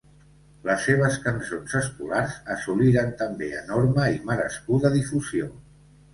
Les seves cançons escolars assoliren també enorme i merescuda difusió.